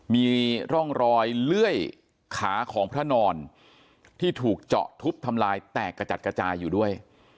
มีร่องรอยเลื่อยขาของพระนอนที่ถูกเจาะทุบทำลายแตกกระจัดกระจายอยู่ด้วย